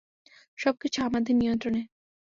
সবকিছু আমাদের নিয়ন্ত্রণে।